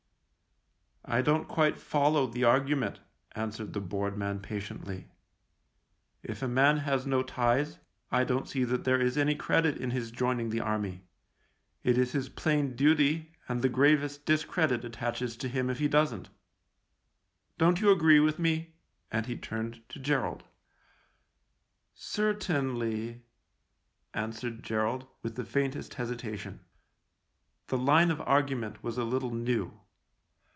" I don't quite follow the argument," answered the bored man patiently. " If a man has no ties, I don't see that there is any credit in his joining the Army. It is his plain duty, and the gravest discredit attaches to him if he doesn't. Don't you agree with me?" and he turned to Gerald. 4 THE LIEUTENANT " Certainly," answered Gerald, with the faintest hesitation. The line of argument was a little new.